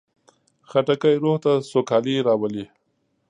خټکی روح ته سوکالي راولي.